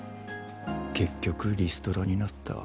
結局リストラになった。